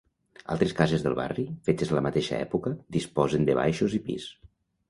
Altres cases del barri, fetes a la mateixa època, disposen de baixos i pis.